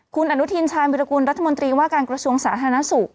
คุณอนุทินชาญวิรากุลรัฐมนตรีว่าการกระทรวงสาธารณสุข